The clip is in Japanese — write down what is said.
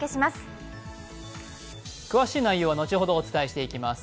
詳しい内容は後ほどお伝えしていきます。